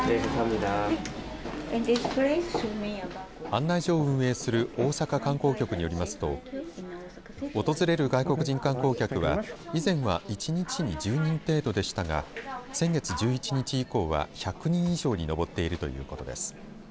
案内所を運営する大阪観光局によりますと訪れる外国人観光客は以前は１日に１０人程度でしたが先月１１日以降は１００人以上に上っているということです。